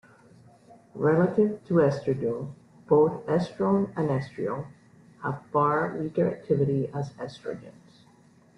Relative to estradiol, both estrone and estriol have far weaker activity as estrogens.